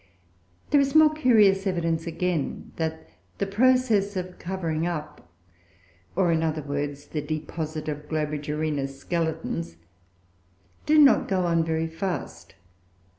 There is more curious evidence, again, that the process of covering up, or, in other words, the deposit of Globigerina skeletons, did not go on very fast.